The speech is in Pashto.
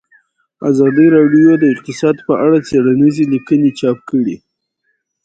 ازادي راډیو د اقتصاد په اړه څېړنیزې لیکنې چاپ کړي.